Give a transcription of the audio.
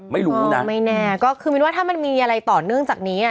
ไม่รู้นะไม่แน่คือหมายนึงว่าถ้ามีอะไรต่อเนื่องจากนี้